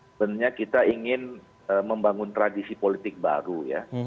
sebenarnya kita ingin membangun tradisi politik baru ya